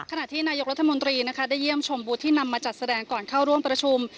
ขณะที่นายกรัฐมนตรีนะคะได้เยี่ยมชมบูธที่นำมาจัดแสดงก่อนเข้าร่วมประชุม